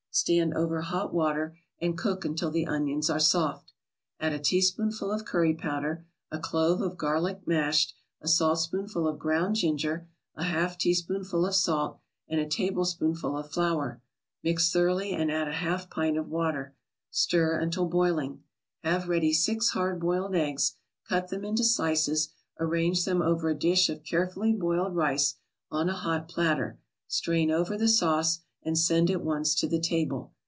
Stand over hot water and cook until the onions are soft. Add a teaspoonful of curry powder, a clove of garlic mashed, a saltspoonful of ground ginger, a half teaspoonful of salt and a tablespoonful of flour; mix thoroughly and add a half pint of water. Stir until boiling. Have ready six hard boiled eggs, cut them into slices, arrange them over a dish of carefully boiled rice, on a hot platter, strain over the sauce, and send at once to the table.